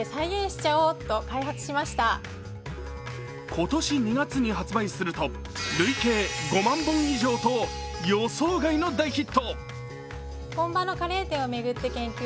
今年２月に発売すると累計５万本以上と予想外の大ヒット。